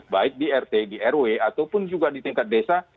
baik di rt di rw ataupun juga di tingkat desa